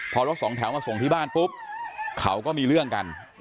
พอรถสองแถวมาส่งที่บ้านปุ๊บเขาก็มีเรื่องกัน